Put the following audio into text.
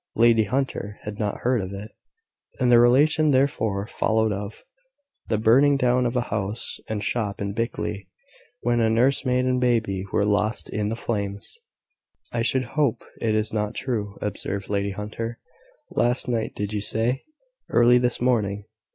Lady Hunter had not heard of it; and the relation therefore followed of: the burning down of a house and shop in Blickley, when a nursemaid and baby were lost in the flames. "I should hope it is not true," observed Lady Hunter. "Last night, did you say? Early this morning?